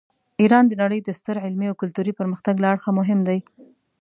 ایران د نړۍ د ستر علمي او کلتوري پرمختګ له اړخه مهم دی.